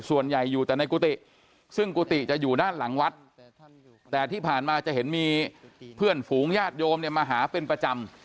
ส่วนใหญ่อยู่แต่ในกุฏิซึ่งกุฏิจะอยู่ด้านหลังวัดแต่ที่ผ่านมาจะเห็นมีเพื่อนฝูงญาติโยมเนี่ยมาหาเป็นประจำ